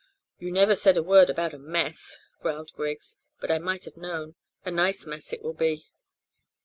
"You never said a word about a mess," growled Griggs; "but I might have known. A nice mess it will be!"